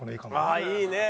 ああいいね！